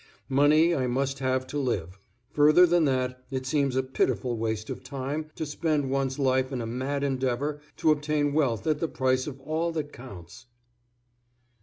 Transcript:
Money I must have to live, further than that it seems a pitiful waste of time to spend one's life in a mad endeavor to obtain wealth at the price of all that counts.